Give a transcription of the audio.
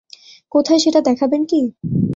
কোথায় সেটা দেখাবেন কী?